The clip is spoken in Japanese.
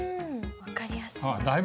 分かりやすい。